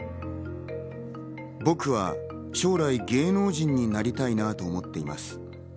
僕は将来、芸能人になりたいなと思っています。